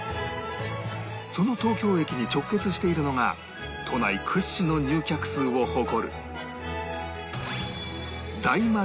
その東京駅に直結しているのが都内屈指の入客数を誇る